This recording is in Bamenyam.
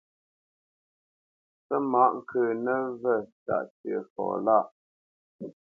Pə́ mǎʼ ŋkə̌ nəvə̂ tâʼ cə̂ʼfɔ lâʼ.